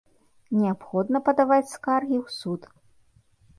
Неабходна падаваць скаргі ў суд.